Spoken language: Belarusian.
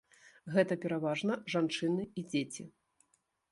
Гэта пераважна жанчыны і дзеці.